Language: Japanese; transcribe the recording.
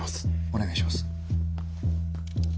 お願いします。